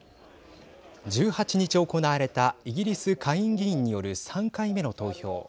１８日行われたイギリス下院議員による３回目の投票。